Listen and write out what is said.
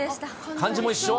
漢字も一緒？